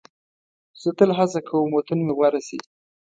زه تل هڅه کوم وطن مې غوره شي.